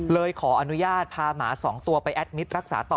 ขออนุญาตพาหมา๒ตัวไปแอดมิตรรักษาต่อ